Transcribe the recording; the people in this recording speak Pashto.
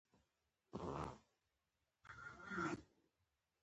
ښارونه د ناحیو ترمنځ تفاوتونه رامنځ ته کوي.